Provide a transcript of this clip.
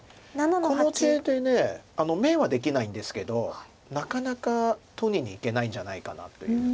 この手で眼はできないんですけどなかなか取りにいけないんじゃないかなという。